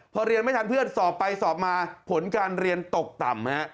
พอเรียนไม่ทันเพื่อนสอบไปสอบมาผลการเรียนตกต่ำ